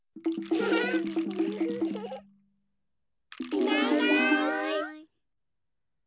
いないいない。